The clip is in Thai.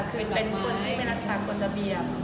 คือเป็นคนไม่ไปรักษากฎระเบียบ